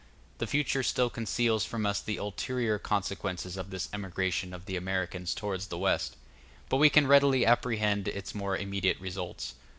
The future still conceals from us the ulterior consequences of this emigration of the Americans towards the West; but we can readily apprehend its more immediate results.